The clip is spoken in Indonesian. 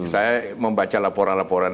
saya membaca laporan laporan